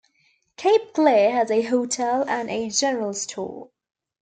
Cape Clear has a hotel and a general store.